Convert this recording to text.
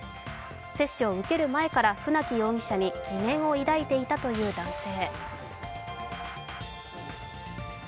接種を受ける前から船木容疑者に疑念を抱いていたという男性。